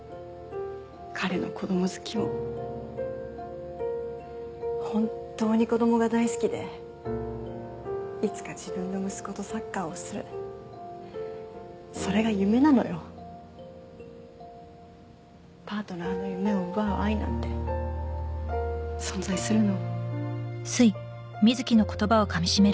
彼の子ども好きを本当に子どもが大好きでいつか自分の息子とサッカーをするそれが夢なのよパートナーの夢を奪う愛なんて存在するの？